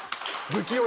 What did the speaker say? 不器用。